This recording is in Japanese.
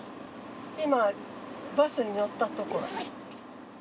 今バスに乗ったところ。